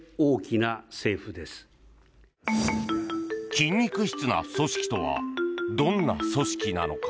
筋肉質な組織とはどんな組織なのか。